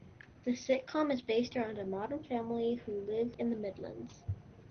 The sitcom is based around a modern family who live in the Midlands.